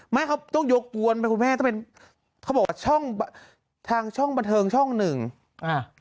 ไม่เขาต้องยกปวนไปครูแม่ต้องเป็นเขาบอกว่าช่องแผ่งช่องหนึ่งอ่า